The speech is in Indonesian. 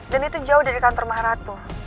dan itu jauh dari kantor maharatu